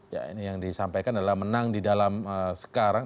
ya ini yang disampaikan adalah menang di dalam sekarang